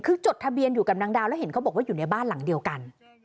คือจดทะเบียนอยู่กับนางดาวแล้วเห็นเขาบอกว่าอยู่ในบ้านหลังเดียวกัน